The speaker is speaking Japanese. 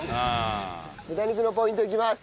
豚肉のポイントいきます。